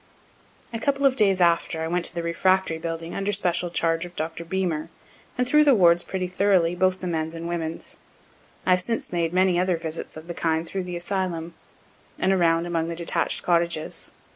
A couple of days after, I went to the "Refractory building," under special charge of Dr. Beemer, and through the wards pretty thoroughly, both the men's and women's. I have since made many other visits of the kind through the asylum, and around among the detach'd cottages.